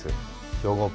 兵庫県。